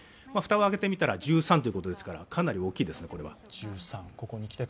蓋を開けてみたら１３ということですから、かなり大きいですね。